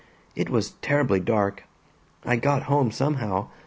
It was terribly dark. I got home, somehow.